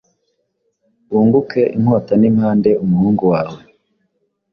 Wunguke inkotanimpande Umuhungu wawe